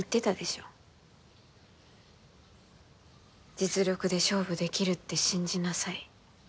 実力で勝負できるって信じなさい。